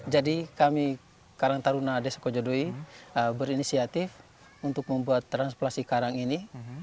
jadi kami karang taruna desa kojadowi berinisiatif untuk membuat transplantasi karang ini